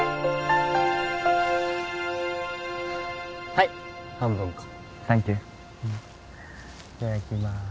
はい半分こサンキュいただきまーす